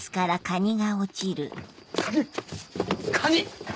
カニ！